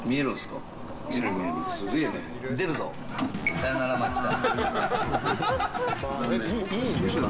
さよなら、町田。